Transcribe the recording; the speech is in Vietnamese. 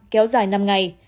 kéo dài năm ngày